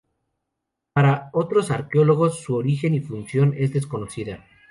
Para otros arqueólogos, su origen y función es desconocida.